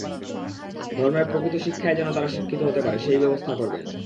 ধর্মের প্রকৃত শিক্ষায় যেন তারা শিক্ষিত হতে পারে, সেই ব্যবস্থা করবেন।